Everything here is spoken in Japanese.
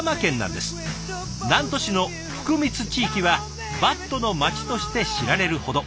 南砺市の福光地域はバットの町として知られるほど。